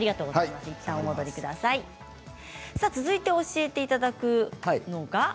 続いて教えていただくのが。